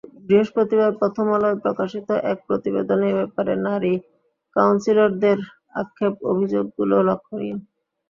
বৃহস্পতিবার প্রথমআলোয় প্রকাশিত এক প্রতিবেদনে এ ব্যাপারে নারী কাউন্সিলরদের আক্ষেপ অভিযোগগুলো লক্ষণীয়।